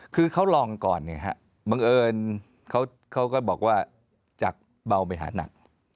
คือเขาลองก่อนเนี่ยฮะบังเอิญเขาก็บอกว่าจากเบาไปหานัก